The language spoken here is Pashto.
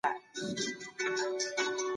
د پوهې او تکنالوژۍ کاروان.